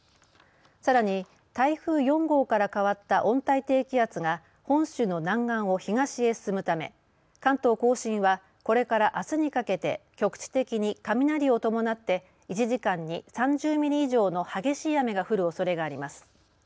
さらに台風４号から変わった温帯低気圧が本州の南岸を東へ進むため関東甲信はこれからあすにかけて局地的に雷を伴って１時間に３０ミリ以上の激しい雨が降るおそれがあります。